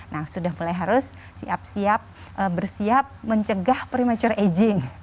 nah sudah mulai harus siap siap bersiap mencegah prematur aging